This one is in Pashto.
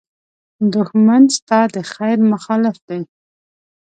دښمن ستا د خېر مخالف دی